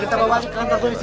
kita bawa ke kantor polisi